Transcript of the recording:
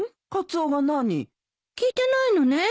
聞いてないのね